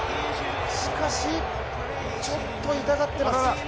しかしちょっと痛がってます。